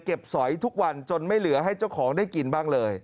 สอยทุกวันจนไม่เหลือให้เจ้าของได้กินบ้างเลย